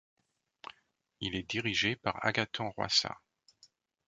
Il est dirigé par Agathon Rwasa.